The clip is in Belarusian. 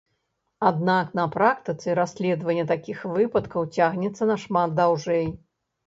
Аднак на практыцы расследаванне такіх выпадкаў цягнецца нашмат даўжэй.